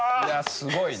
すごいね。